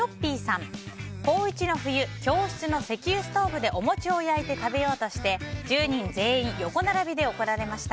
高１の冬、教室の石油ストーブでお餅を焼いて食べようとして１０人全員横並びで怒られました。